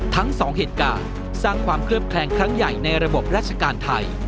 ทั้งสองเหตุการณ์สร้างความเคลือบแคลงครั้งใหญ่ในระบบราชการไทย